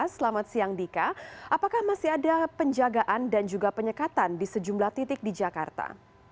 selamat siang dika apakah masih ada penjagaan dan juga penyekatan di sejumlah titik di jakarta